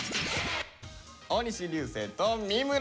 大西流星と三村です。